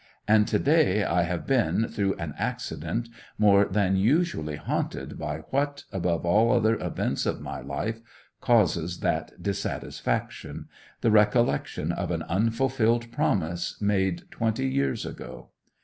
And to day I have been, through an accident, more than usually haunted by what, above all other events of my life, causes that dissatisfaction—the recollection of an unfulfilled promise made twenty years ago.